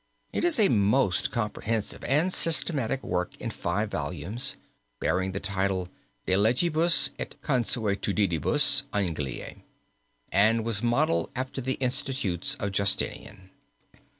It is a most comprehensive and systematic work in five volumes, bearing the title De Legibus et Consuetudinibus Angliae, and was modeled after the Institutes of Justinian.